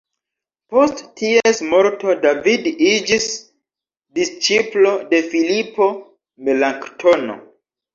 Post ties morto David iĝis disĉiplo de Filipo Melanktono.